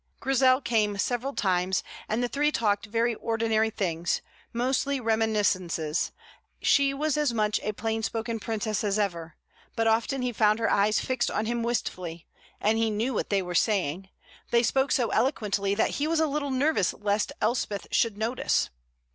Grizel came several times, and the three talked very ordinary things, mostly reminiscences; she was as much a plain spoken princess as ever, but often he found her eyes fixed on him wistfully, and he knew what they were saying; they spoke so eloquently that he was a little nervous lest Elspeth should notice.